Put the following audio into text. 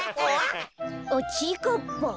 あっちぃかっぱ。